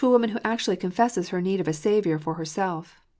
woman who actually confesses her need of a Savour for herself.